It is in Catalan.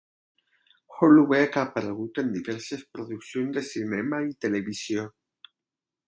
Holoubek ha aparegut en diverses produccions de cinema i televisió.